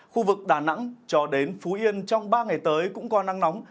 khu vực đà nẵng cho đến phú yên trong ba ngày tới cũng có nắng nóng